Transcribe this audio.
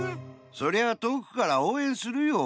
そりゃとおくからおうえんするよ！